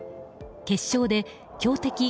決勝で強敵